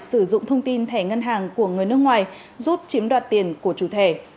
sử dụng thông tin thẻ ngân hàng của người nước ngoài giúp chiếm đoạt tiền của chủ thể